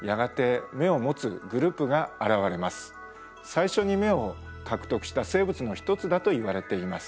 最初に眼を獲得した生物の一つだといわれています。